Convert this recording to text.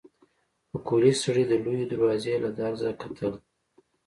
پکولي سړي د لويې دروازې له درزه کتل.